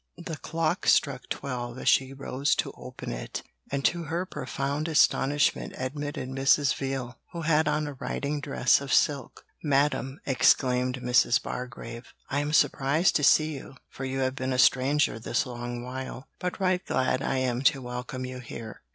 The clock struck twelve as she rose to open it, and to her profound astonishment admitted Mrs. Veal, who had on a riding dress of silk. 'Madam,' exclaimed Mrs. Bargrave, 'I am surprised to see you, for you have been a stranger this long while, but right glad I am to welcome you here.'